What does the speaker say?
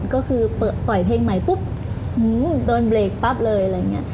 ก็คือปล่อยเพลงใหม่ปุ๊บโดนเบรกปั๊บเลย